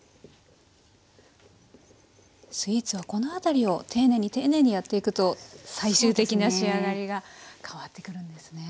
スイーツはこの辺りを丁寧に丁寧にやっていくと最終的な仕上がりがそうですね。